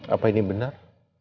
apa ini benar